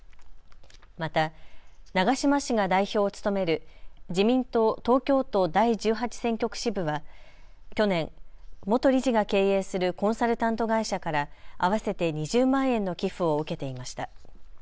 また長島氏が代表を務める自民党東京都第十八選挙区支部は去年、元理事が経営するコンサルタント会社から合わせて２０万円の寄付を受けていました。